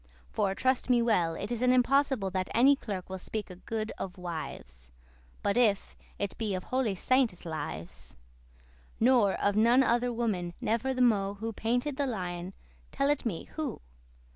For, trust me well, it is an impossible That any clerk will speake good of wives, (*But if* it be of holy saintes' lives) *unless Nor of none other woman never the mo'. Who painted the lion, tell it me, who?